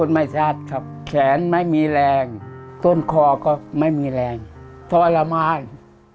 ไม่ชัดครับแขนไม่มีแรงต้นคอก็ไม่มีแรงทรมาน